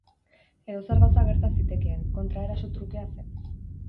Edozer gauza gerta zitekeen, kontraeraso trukea zen.